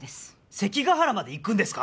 関ヶ原まで行くんですか！？